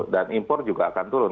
dan impor juga akan turun